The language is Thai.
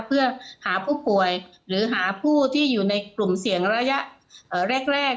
เพื่อหาผู้ป่วยหรือหาผู้ที่อยู่ในกลุ่มเสี่ยงระยะแรก